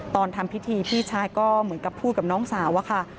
ตอนทำพิธีพี่ชายก็เหมือนกับพูดกับน้องสาวอะค่ะ